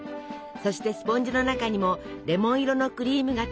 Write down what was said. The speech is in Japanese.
そしてスポンジの中にもレモン色のクリームがたっぷり！